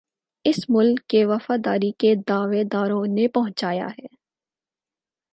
اس ملک کے وفاداری کے دعوے داروں نے پہنچایا ہے